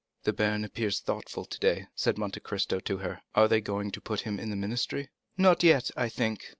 "The baron appears thoughtful today," said Monte Cristo to her; "are they going to put him in the ministry?" "Not yet, I think.